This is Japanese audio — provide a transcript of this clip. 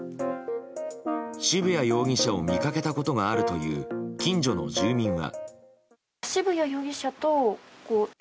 渋谷容疑者を見かけたことがあるという近所の住民は。